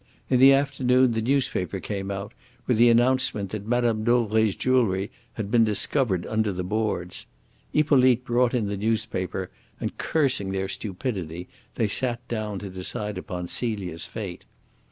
In the afternoon the newspaper came out with the announcement that Mme. Dauvray's jewellery had been discovered under the boards. Hippolyte brought in the newspaper, and, cursing their stupidity, they sat down to decide upon Celia's fate.